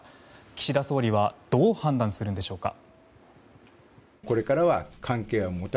岸田総理はどう判断するのでしょうか。